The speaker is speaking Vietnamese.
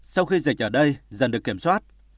sau khi dịch ở đây dần được kiểm soát